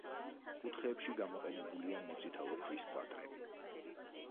კუთხეებში გამოყენებულია მოწითალო ქვის კვადრები.